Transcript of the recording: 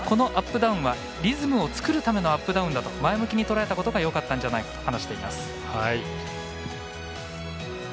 ただ、このアップダウンはリズムを作るためのアップダウンだと前向きにとらえたことがよかったんじゃないかと話しています。